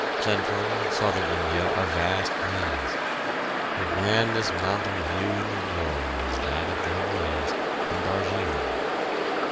Central and Southern India are vast plains. The grandest mountain view in the world is that of the Himalayas, from Darjeeling.